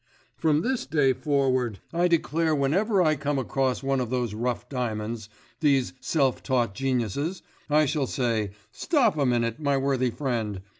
From this day forward I declare whenever I come across one of those rough diamonds, these self taught geniuses, I shall say: "Stop a minute, my worthy friend!